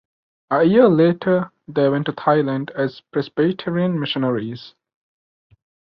A year later, they went to Thailand as Presbyterian missionaries.